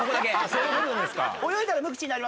そういうことですか。